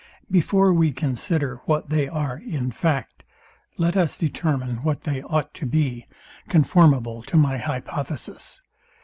Before we consider what they are in fact, let us determine what they ought to be, conformable to my hypothesis.